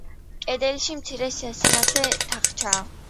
კედელში მცირე სასანთლე თახჩაა.